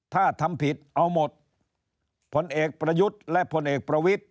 ถ้าทำผิดเอาหมดผลเอกประยุทธ์และผลเอกประวิทธิ